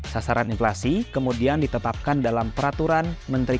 sasaran inflasi kemudian ditetapkan dalam peraturan menteri